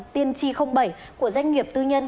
tiên tri bảy của doanh nghiệp tư nhân